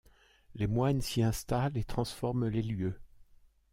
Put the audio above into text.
Les moines s'y installent et transforment les lieux.